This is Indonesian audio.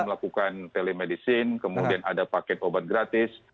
melakukan telemedicine kemudian ada paket obat gratis